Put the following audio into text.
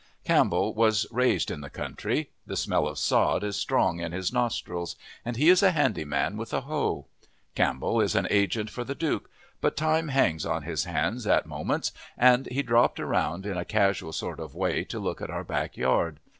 Campbell was raised in the country. The smell of sod is strong in his nostrils, and he is a handy man with a hoe. Campbell is an agent for the Duke, but time hangs on his hands at moments and he dropped around in a casual sort of way to look at our back yard.